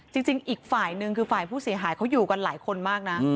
จริงอีกฝ่ายนึงคือฝ่ายผู้เสียหายเขาอยู่กันหลายคนมากนะ